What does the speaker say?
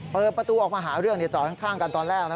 เปิดประตูออกมาหาเรื่องจอดข้างกันตอนแรกนะ